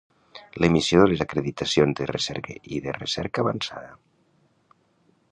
L'emissió de les acreditacions de recerca i de recerca avançada.